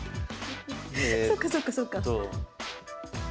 そっかそっかそっか。